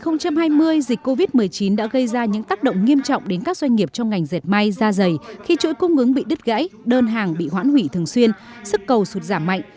năm hai nghìn hai mươi dịch covid một mươi chín đã gây ra những tác động nghiêm trọng đến các doanh nghiệp trong ngành dệt may ra dày khi chuỗi cung ứng bị đứt gãy đơn hàng bị hoãn hủy thường xuyên sức cầu sụt giảm mạnh